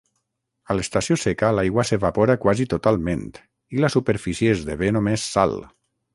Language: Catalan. A l'estació seca l'aigua s'evapora quasi totalment i la superfície esdevé només sal.